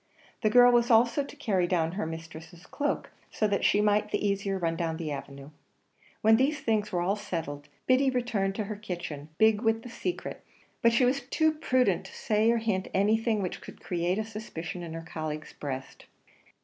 The girl was also to carry down her mistress' cloak so that she might the easier run down the avenue. When these things were all settled, Biddy returned to the kitchen, big with the secret; but she was too prudent to say or hint anything which could create a suspicion in her colleague's breast.